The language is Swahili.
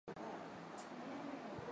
Ninaogopa ajali